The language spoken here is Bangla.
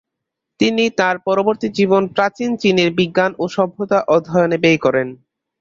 তিনি তার পরবর্তী জীবন প্রাচীন চীনের বিজ্ঞান ও সভ্যতা অধ্যয়নে ব্যয় করেন।